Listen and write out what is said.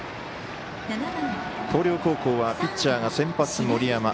広陵高校はピッチャーが先発、森山。